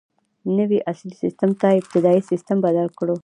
نوي عصري سیسټم ته ابتدايي سیسټم بدل کړو.